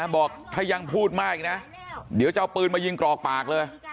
บอกถ้ายังพูดมากอีกนะเดี๋ยวจะเอาปืนมายิงกรอกปากเลย